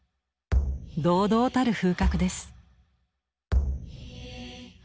堂々たる風格です。